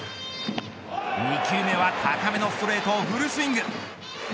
２球目は高めのストレートをフルスイング。